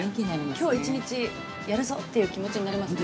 きょう１日やるぞっという気持ちになりますね。